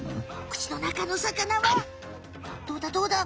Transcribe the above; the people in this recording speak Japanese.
口の中の魚はどうだどうだ？